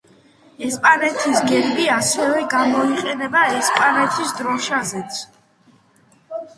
ესპანეთის გერბი ასევე გამოიყენება ესპანეთის დროშაზეც.